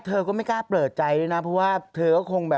เธอก็ไม่กล้าเปิดใจด้วยนะเพราะว่าเธอก็คงแบบ